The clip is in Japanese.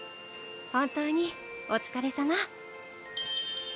本当にお疲れさま。